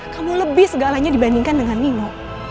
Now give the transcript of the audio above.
kamu lebih segalanya dibandingkan dengan nino